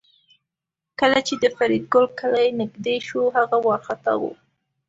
کله چې د فریدګل کلی نږدې شو هغه وارخطا و